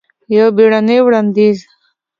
یو بیړنې وړاندیز!